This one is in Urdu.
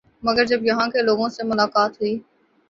مگر جب یہاں کے لوگوں سے ملاقات ہوئی